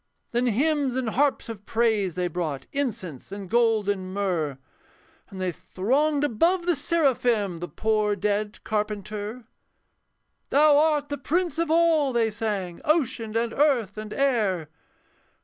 Then hymns and harps of praise they brought, Incense and gold and myrrh, And they thronged above the seraphim, The poor dead carpenter. 'Thou art the prince of all,' they sang, 'Ocean and earth and air.'